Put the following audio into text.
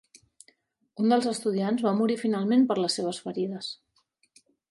Un dels estudiants va morir finalment per les seves ferides.